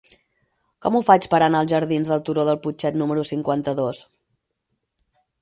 Com ho faig per anar als jardins del Turó del Putxet número cinquanta-dos?